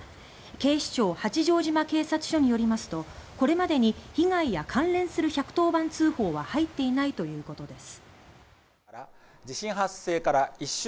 警視庁八丈島警察署によりますとこれまでに被害や関連する１１０番通報は入っていないということです。